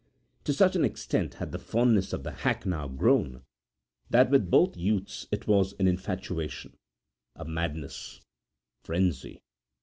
To such an extent had the fondness of the hack now grown that with both youths it was an infatuation a madness a frenzy.